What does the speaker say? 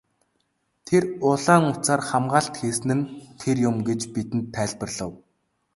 Тэр улаан утсаар хамгаалалт хийсэн нь тэр юм гэж бидэнд тайлбарлав.